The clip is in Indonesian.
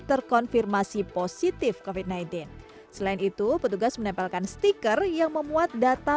terkonfirmasi positif kofit sembilan belas selain itu petugas menempelkan stiker yang memuat data